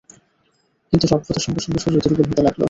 কিন্তু সভ্যতার সঙ্গে সঙ্গে শরীর দুর্বল হতে লাগল।